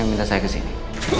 apa yang ada di kartasnya